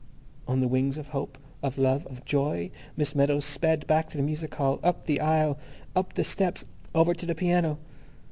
On the wings of hope, of love, of joy, Miss Meadows sped back to the music hall, up the aisle, up the steps, over to the piano.